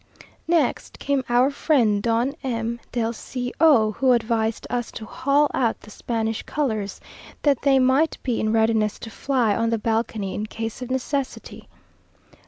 Next came our friend Don M del C o, who advised us to haul out the Spanish colours, that they might be in readiness to fly on the balcony in case of necessity.